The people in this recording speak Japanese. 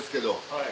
はい。